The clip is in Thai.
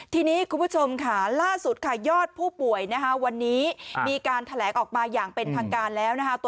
ทีนี้คุณผู้ชมค่ะล่าสุดค่ะยอดผู้ป่วยนะคะวันนี้มีการแถลงออกมาอย่างเป็นทางการแล้วนะคะ